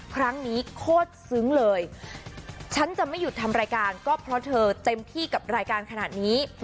ครั้งนี้โคตรซึ้งเลยฉันจะไม่หยุดทำรายการก็เพราะเธอเต็มที่กับรายการขนาดนี้